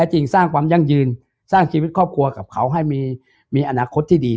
จริงสร้างความยั่งยืนสร้างชีวิตครอบครัวกับเขาให้มีอนาคตที่ดี